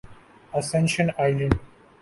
ascension island